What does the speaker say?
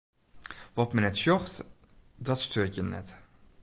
Wat men net sjocht, dat steurt jin net.